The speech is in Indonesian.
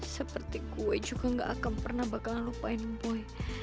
seperti gue juga gak akan pernah bakalan lupain pue